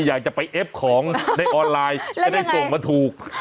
อยากจะไปเอฟของในออนไลน์จะได้ส่งมาถูก